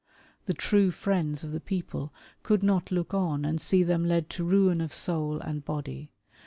The true friends of the people could not look on and see them led to ruin of soul and body.